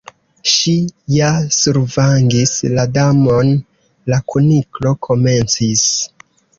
"Ŝi ja survangis la Damon " la Kuniklo komencis.